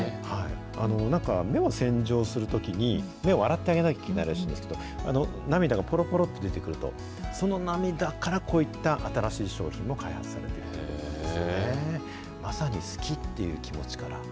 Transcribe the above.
なんか、目を洗浄するときに、目を洗ってあげないといけないらしいんですけど、涙がぽろぽろと出てくると、その涙から、こういった新しい商品も開発されているということです。